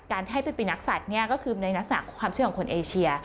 ให้เป็นปีนักศัตริย์เนี่ยก็คือในลักษณะความเชื่อของคนเอเชีย